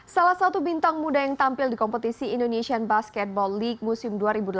salah satu bintang muda yang tampil di kompetisi indonesian basketball league musim dua ribu delapan belas